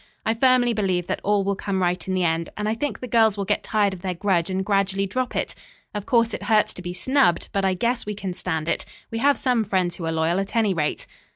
I firmly believe that all will come right in the end, and I think the girls will get tired of their grudge and gradually drop it. Of course it hurts to be snubbed, but I guess we can stand it. We have some friends who are loyal, at any rate."